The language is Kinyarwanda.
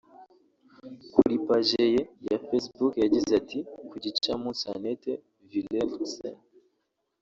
Kuri paji ye ya Facebook yagize ati “Ku gicamunsi Annette Vilhelmsen